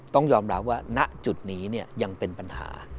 ต้องยอมรับว่าณจุดนี้ยังเป็นปัญหา